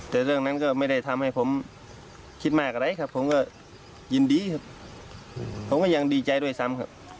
แต่เรื่องนั้นก็ไม่ได้ทำให้ผมคิดมากอะไรครับผมก็ยินดีครับผมก็ยังดีใจด้วยซ้ำครับ